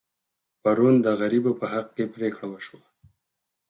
پرون د غریبو په حق کې پرېکړه وشوه.